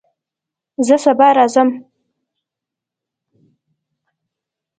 زه سبا راځم